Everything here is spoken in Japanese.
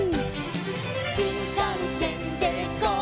「しんかんせんでゴー！